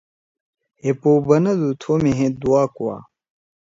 ہے پو بنَدُو تھو مھیئے دُعا کُوا۔